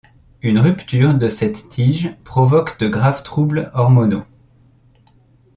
Une rupture de cette tige provoque de graves troubles hormonaux.